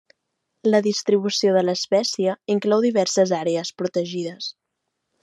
La distribució de l'espècie inclou diverses àrees protegides.